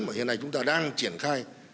mà hiện nay chúng ta đang triển khai